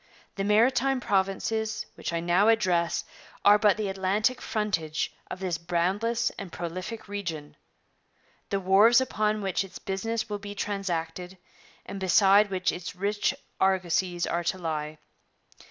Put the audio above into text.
The Maritime Provinces which I now address are but the Atlantic frontage of this boundless and prolific region the wharves upon which its business will be transacted and beside which its rich argosies are to lie.